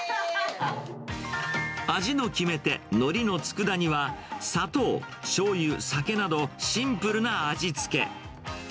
味の決め手、のりのつくだ煮は、砂糖、しょうゆ、酒などシンプルな味付け。